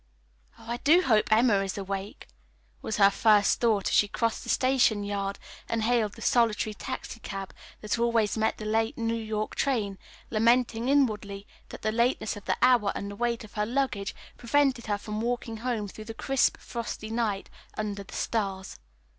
"I do hope Emma is awake" was her first thought as she crossed the station yard and hailed the solitary taxicab that always met the late New York train, lamenting inwardly that the lateness of the hour and the weight of her luggage prevented her from walking home through the crisp, frosty night, under the stars.